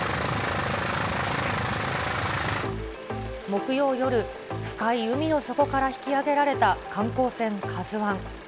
木曜夜、深い海の底から引き揚げられた観光船ＫＡＺＵＩ。